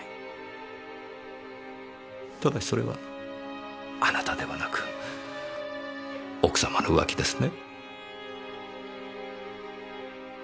ただしそれはあなたではなく奥様の浮気ですね？